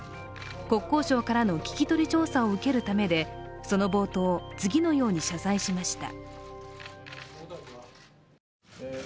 国交省からの聞き取り調査を受けるためでその冒頭、次のように謝罪しました。